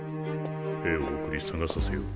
兵を送り捜させよう